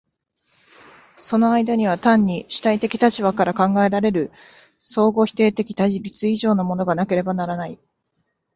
その間には単に主体的立場から考えられる相互否定的対立以上のものがなければならない。